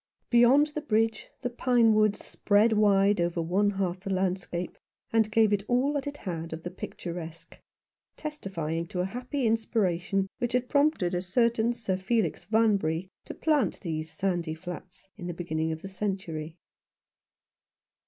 Beyond the bridge, the pine woods spread wide over one half the landscape, and gave it all that it had of the picturesque, testifying to the happy inspiration which had prompted a certain Sir Felix Vanbury to plant these sandy flats in the beginning of the century.